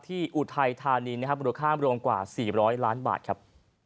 ที่อุทัยธานีรวมค้ามรวมกว่า๔๐๐ล้านบาทครับ